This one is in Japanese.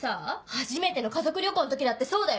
初めての家族旅行の時だってそうだよ！